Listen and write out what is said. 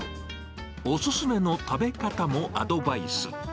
お勧めの食べ方もアドバイス。